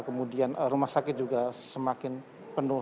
kemudian rumah sakit juga semakin penuh